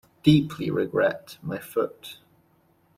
Deeply regret, my foot.